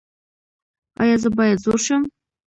ایا زه باید زوړ شم؟